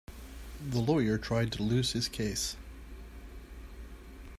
The lawyer tried to lose his case.